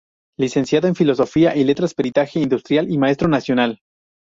Licenciado en Filosofía y Letras, Peritaje Industrial y Maestro nacional.